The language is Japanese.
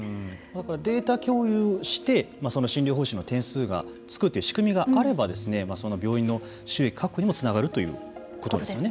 データ共有をして診療報酬の点数がつくという仕組みがあれば、病院の収益確保にもつながるということですね。